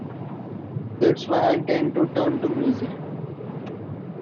That's why I tend to turn to music.